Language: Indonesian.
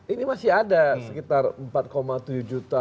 ini masih ada sekitar empat tujuh juta